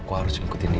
aku harus ikutin dia